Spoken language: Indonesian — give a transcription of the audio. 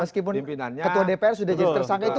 meskipun ketua dpr sudah jadi tersangka itu